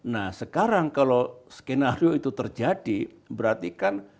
nah sekarang kalau skenario itu terjadi berarti kan